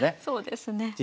そうですね。